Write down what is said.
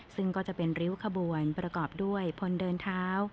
ซึ่งก็จะเป็นริ้วขบวนประกอบด้วยพลเดินเท้า